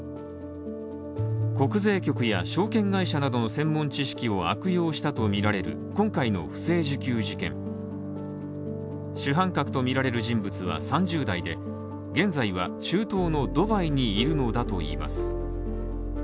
国税局や証券会社などの専門知識を悪用したとみられる今回の不正受給事件主犯格とみられる人物は３０代で、現在は中東のドバイにいるのだといいます。